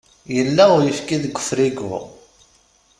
Yella uyefki deg ufrigu?